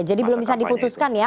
jadi belum bisa diputuskan ya